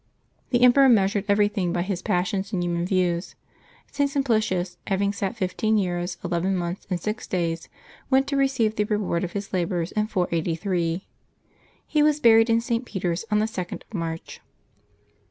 The emperor measured everything by his passions and human views. St. Simplicius, having sat fifteen years, eleven months, and six days, went to receive the reward of his labors in 483. He was buried in St. Peter's on the 2d of March.